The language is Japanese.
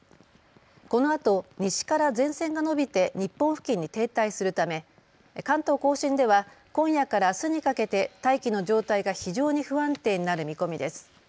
このあと西から前線が延びて日本付近に停滞するため関東甲信では今夜からあすにかけて大気の状態が非常に不安定になる見込みです。